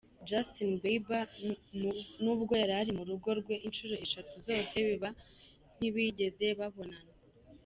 Justin Bieber nubwo yari ari mu rugo rwe inshuro eshatu zose biba ntibigeze babonana.